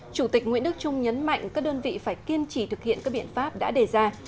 chủ tịch nguyễn đức trung nhấn mạnh các đơn vị phải kiên trì thực hiện các biện pháp đã đề ra